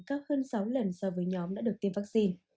cao hơn sáu lần so với nhóm đã được tiêm vaccine